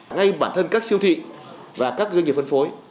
ngay bản thân các siêu thị và các doanh nghiệp phân phối